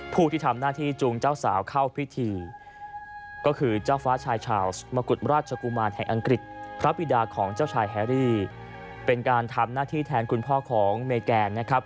ผู้ที่ทำหน้าที่จูงเจ้าสาวเข้าพิธีก็คือเจ้าฟ้าชายชาวสมกุฎราชกุมารแห่งอังกฤษพระบิดาของเจ้าชายแฮรี่เป็นการทำหน้าที่แทนคุณพ่อของเมแกนนะครับ